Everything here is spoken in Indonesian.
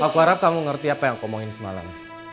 aku harap kamu ngerti apa yang aku mauin semalam